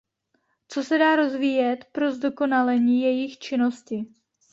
Co se dá rozvíjet pro zdokonalení jejich činnosti.